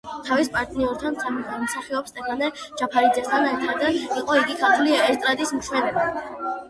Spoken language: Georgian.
თავის პარტნიორთან, მსახიობ სტეფანე ჯაფარიძესთან ერთად იგი იყო ქართული ესტრადის მშვენება.